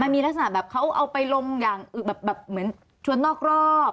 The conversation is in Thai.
มีลักษณะแบบเขาเอาไปลงอย่างแบบเหมือนชวนนอกรอบ